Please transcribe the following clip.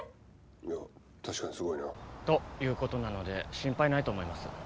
いや確かにすごいな。ということなので心配ないと思います。